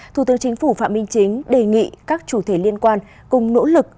thủ tướng chính phủ phạm minh chính đề nghị các chủ thể liên quan cùng nỗ lực